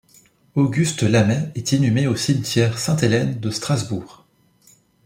Auguste Lamey est inhumé au cimetière Sainte-Hélène de Strasbourg.